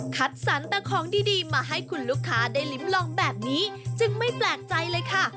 คัดสรรแต่ของดีมาให้คุณลูกค้าได้ลิ้มลองแบบนี้จึงไม่แปลกใจเลยค่ะ